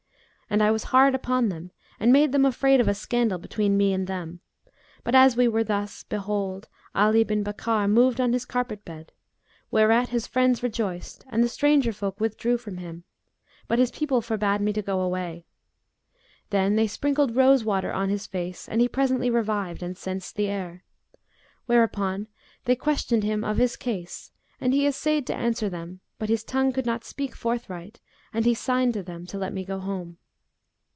And I was hard upon them and made them afraid of a scandal between me and them, but as we were thus, behold, Ali bin Bakkar moved on his carpet bed, whereat his friends rejoiced and the stranger folk withdrew from him; but his people forbade me to go away. Then they sprinkled rose water on his face and he presently revived and sensed the air; whereupon they questioned him of his case, and he essayed to answer them but his tongue could not speak forthright and he signed to them to let me go home.